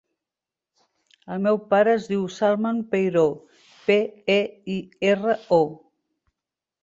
El meu pare es diu Salman Peiro: pe, e, i, erra, o.